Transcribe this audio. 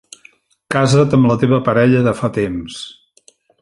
Casa't amb la teva parella de fa temps.